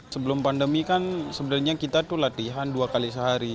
sebelum pandemi kan sebenarnya kita tuh latihan dua kali sehari